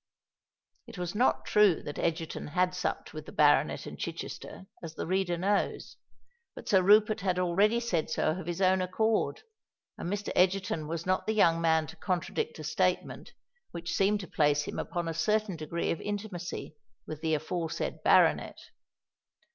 It was not true that Egerton had supped with the baronet and Chichester, as the reader knows; but Sir Rupert had already said so of his own accord, and Mr. Egerton was not the young man to contradict a statement which seemed to place him upon a certain degree of intimacy with the aforesaid baronet.